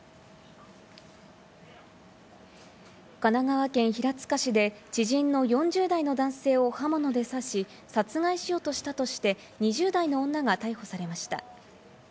神奈川県平塚市で知人の４０代の男性を刃物で刺し、殺害しようとしたとして、２０代の女が逮捕されました。